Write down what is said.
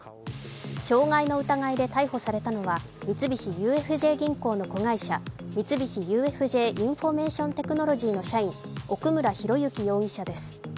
傷害の疑いで逮捕されたのは三菱ＵＦＪ銀行の子会社、三菱ＵＦＪインフォメーションテクノロジーの社員、奥村啓志容疑者です。